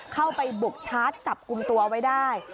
เข้าไปบุกชาร์จจับกลุ่มตัวไว้ได้